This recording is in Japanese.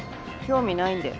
興味ないんで。